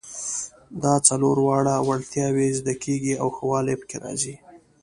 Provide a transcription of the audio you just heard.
دا څلور واړه وړتیاوې زده کیږي او ښه والی پکې راځي.